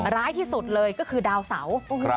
ร้ายที่สุดเลยก็คือดาวเสา